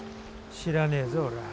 知らねえぞ俺は。